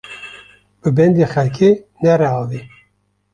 Bi bendê xelkê nere avê